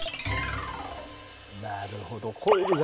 なるほど。